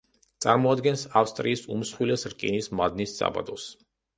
წარმოადგენს ავსტრიის უმსხვილეს რკინის მადნის საბადოს.